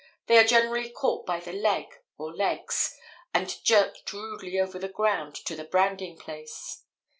They are generally caught by the leg, or legs, and jerked rudely over the ground to the branding place.